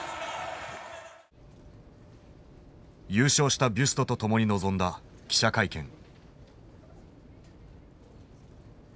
優勝したビュストと共に臨んだ記者会見。